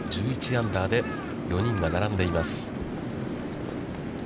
１１アンダーで４人が並んでいます。